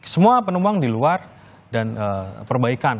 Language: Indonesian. semua penumpang di luar dan perbaikan